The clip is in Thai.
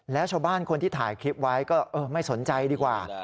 แล้วชาวบ้านคนที่ถ่ายคลิปไว้ก็ไม่สนใจดีกว่า